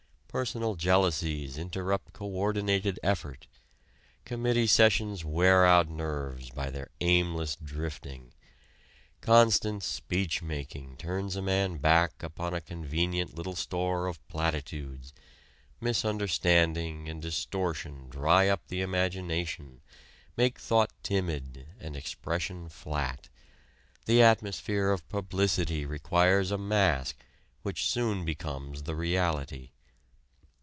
Personal jealousies interrupt co ordinated effort; committee sessions wear out nerves by their aimless drifting; constant speech making turns a man back upon a convenient little store of platitudes misunderstanding and distortion dry up the imagination, make thought timid and expression flat, the atmosphere of publicity requires a mask which soon becomes the reality.